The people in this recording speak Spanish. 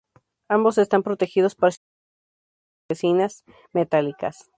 Ambos están protegidos parcialmente con unas marquesinas metálicas.